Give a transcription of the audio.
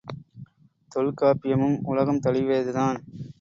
தொல்காப்பியமும் உலகம் தழுவியது தான்.